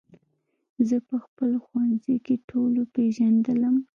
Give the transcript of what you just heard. زه په خپل ښوونځي کې ټولو پېژندلم